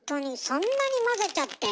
そんなに混ぜちゃって？